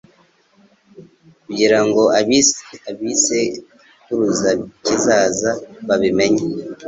kugira ngo ab’igisekuruza kizaza babimenye